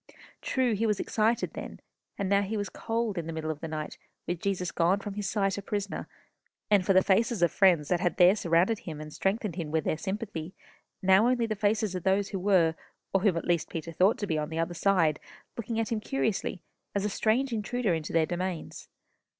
True, he was excited then, and now he was cold in the middle of the night, with Jesus gone from his sight a prisoner, and for the faces of friends that had there surrounded him and strengthened him with their sympathy, now only the faces of those who were, or whom at least Peter thought to be on the other side, looking at him curiously, as a strange intruder into their domains.